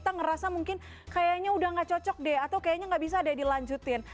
ngerasa mungkin kayaknya udah enggak cocok deh atau kayaknya enggak bisa deh dilanjutin